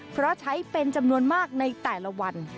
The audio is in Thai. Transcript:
เพราะใช้เป็นจำนวนมากในแต่ละวัน